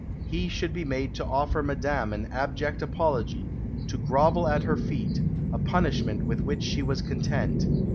He should be made to offer Madame an abject apology, to grovel at her feet, a punishment with which she was content.